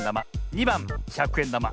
２ばんひゃくえんだま。